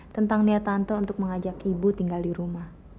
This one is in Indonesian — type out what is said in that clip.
tentang niat tanto untuk mengajak ibu tinggal di rumah